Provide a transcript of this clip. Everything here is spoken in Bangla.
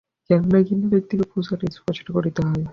কেননা ঘৃণ্য ব্যক্তিকে প্রহার করিতে গেলেও স্পর্শ করিতে হয়।